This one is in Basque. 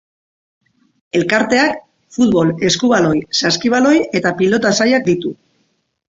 Elkarteak futbol, eskubaloi, saskibaloi eta pilota sailak ditu.